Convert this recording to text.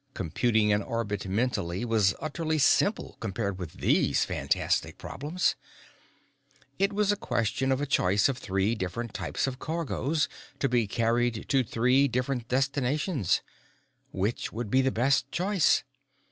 Computing an orbit mentally was utterly simple compared with these fantastic problems. It was a question of a choice of three different types of cargoes, to be carried to three different destinations. Which would be the best choice?